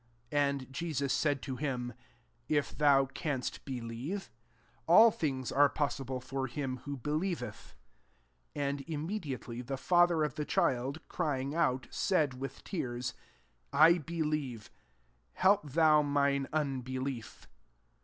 23 And Jesus said to him, " If thou canst [believe ? J All things are possible for him who believeth. 24 And imme diately the father of the child crying out^ said with tears, I believe : help thou mine unbe lief."